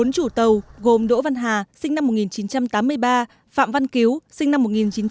bốn chủ tàu gồm đỗ văn hà sinh năm một nghìn chín trăm tám mươi ba phạm văn cứu sinh năm một nghìn chín trăm tám mươi